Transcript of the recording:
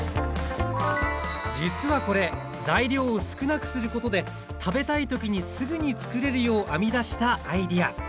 実はこれ材料を少なくすることで食べたい時にすぐにつくれるよう編み出したアイデア。